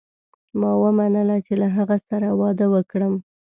ما ومنله چې له هغه سره واده وکړم.